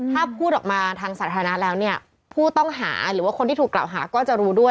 ถ้าพูดออกมาทางสาธารณะแล้วเนี่ยผู้ต้องหาหรือว่าคนที่ถูกกล่าวหาก็จะรู้ด้วย